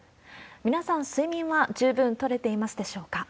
皆さん、睡眠は十分とれていますでしょうか。